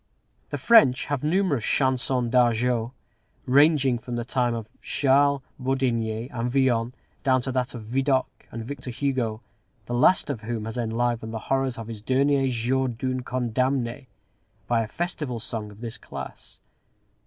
The French have numerous chansons d'argot, ranging from the time of Charles Bourdigné and Villon down to that of Vidocq and Victor Hugo, the last of whom has enlivened the horrors of his "Dernier Jour d'un Condamné" by a festive song of this class.